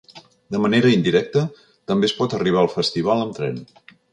De manera indirecta, també es pot arribar al festival amb tren.